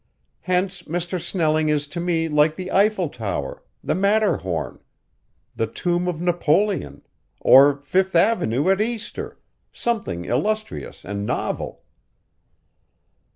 Hence Mr. Snelling is to me like the Eiffel Tower, the Matterhorn, the tomb of Napoleon, or Fifth Avenue at Easter something illustrious and novel."